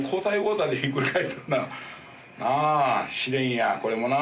なあ試練やこれもな。